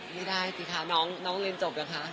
น้องเรียนจบหรือคะ